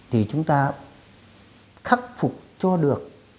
thì chúng ta khắc phục cho được